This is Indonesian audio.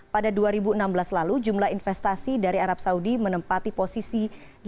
pada dua ribu enam belas lalu jumlah investasi dari arab saudi menempati posisi